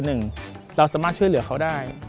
หนึ่งเราสามารถช่วยเหลือเขาได้